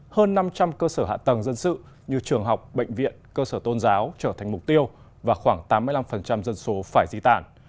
hơn năm trăm linh cơ sở hạ tầng dân sự như trường học bệnh viện cơ sở tôn giáo trở thành mục tiêu và khoảng tám mươi năm dân số phải di tản